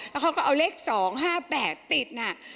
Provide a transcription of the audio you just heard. แล้วเขาก็เอาเลข๒๕๘ติดน่ะ